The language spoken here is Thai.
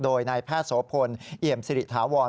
โดยนายแพทย์โสพลเอี่ยมสิริถาวร